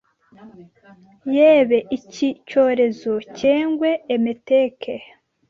yebe iki cyorezo cyengwe emeteke;